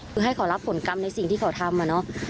คือให้เขารับผลกรรมในสิ่งที่เขาทำอะเนาะ